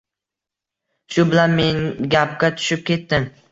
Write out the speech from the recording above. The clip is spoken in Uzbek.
Shu bilan men gapga tushib ketdim